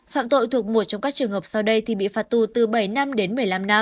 phạm tội thuộc một trong các trường hợp sau đây thì bị phạt tù từ bảy năm đến một mươi năm năm